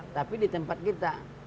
tapi di tempat kita